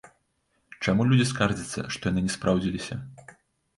Чаму людзі скардзяцца, што яны не спраўдзіліся?